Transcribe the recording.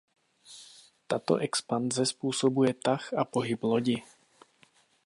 Tato expanze způsobuje tah a pohyb lodi.